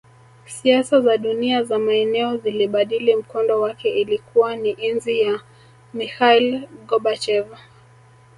Siasa za dunia za maeneo zilibadili mkondo wake Ilikuwa ni enzi ya Mikhail Gorbachev